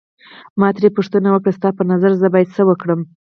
ما ترې پوښتنه وکړه ستا په نظر زه باید څه وکړم.